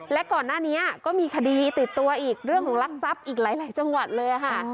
และก่อนหน้านี้ก็มีคดีติดตัวอีกเรื่องของรักทรัพย์อีกหลายจังหวัดเลยค่ะ